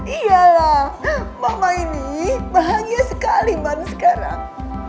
iyalah mama ini bahagia sekali baru sekarang